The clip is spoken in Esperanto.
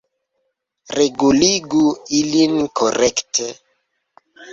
Reguligu ilin korekte!